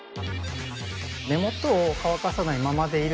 根元を乾かさないままでいるとですね